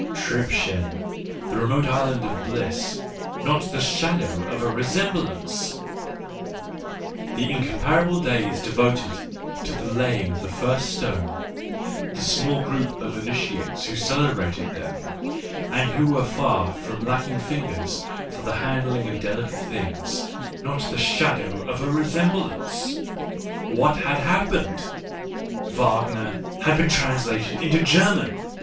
Tribschen — remote island of bliss : not the shadow of a resem blance ! The incomparable days devoted to the lay ing of the first stone, the small group of the initi ated who celebrated them, and who were far from lacking fingers for the handling of delicate things : not the shadow of a resemblance ! What had hap penedt — Wagner had been translated into German!